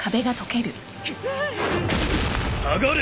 下がれ！